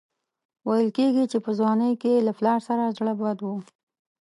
ویل کېږي چې په ځوانۍ کې یې له پلار سره زړه بد و.